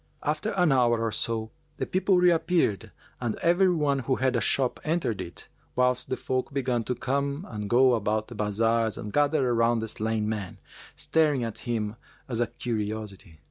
After an hour or so, the people reappeared and every one who had a shop entered it; whilst the folk began to come and go about the bazars and gathered around the slain man, staring at him as a curiosity.